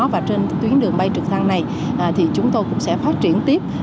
và trên tuyến đường bay trực thăng này thì chúng tôi cũng sẽ phát triển tiếp